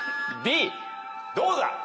どうだ？